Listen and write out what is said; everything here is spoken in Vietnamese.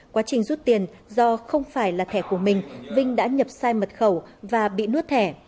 quá trình rút tiền do không phải là thẻ của mình vinh đã nhập sai mật khẩu và bị nuốt thẻ